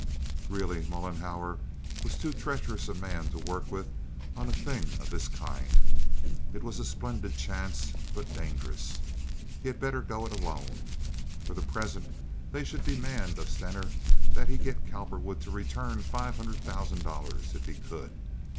Really Mollenhauer was too treacherous a man to work with on a thing of this kind. It was a splendid chance but dangerous. He had better go it alone. For the present they should demand of Stener that he get Cowperwood to return the five hundred thousand dollars if he could.